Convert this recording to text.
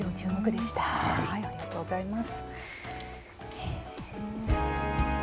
ありがとうございます。